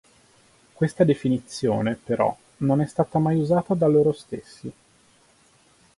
Questa definizione però non è stata mai usata da loro stessi.